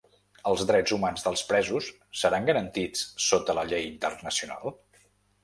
Els drets humans dels presos seran garantits sota la llei internacional?